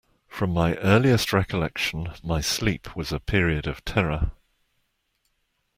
From my earliest recollection my sleep was a period of terror.